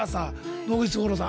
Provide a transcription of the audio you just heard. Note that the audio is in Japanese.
野口五郎さん。